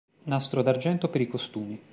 Nastro d'argento per i costumi